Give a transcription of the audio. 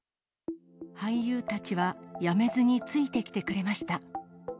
俳優たちは、辞めずについてきてくれました。